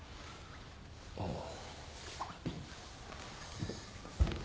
ああ。